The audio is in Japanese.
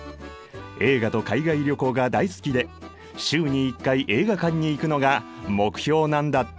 映画と海外旅行が大好きで週に１回映画館に行くのが目標なんだって！